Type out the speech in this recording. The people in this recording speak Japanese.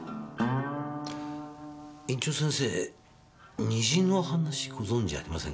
院長先生虹の話ご存知ありませんか？